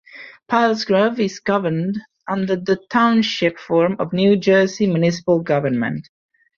Pilesgrove is governed under the Township form of New Jersey municipal government.